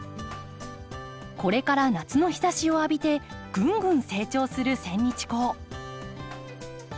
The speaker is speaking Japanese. これから夏の日ざしを浴びてぐんぐん成長するセンニチコウ。